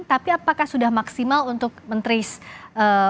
tapi apakah sudah maksimal untuk men trace